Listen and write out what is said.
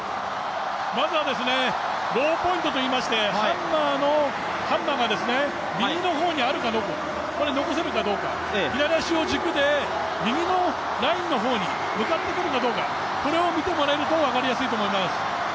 まずはローポイントといいましてハンマーが右の方にこれ残せるかどうか、左足を軸で右のラインの方に向かってくるかどうか、これを見てもらえると分かりやすいと思います。